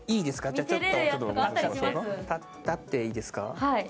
じゃあちょっと立っていいですか。